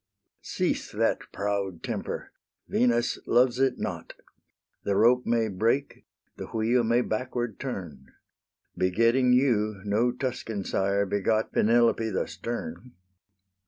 Cease that proud temper: Venus loves it not: The rope may break, the wheel may backward turn: Begetting you, no Tuscan sire begot Penelope the stern.